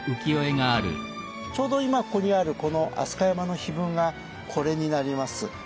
ちょうど今ここにあるこの飛鳥山の碑文がこれになります。